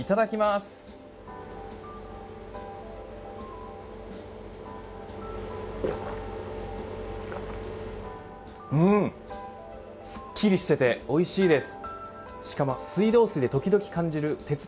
すっきりしていておいしいです。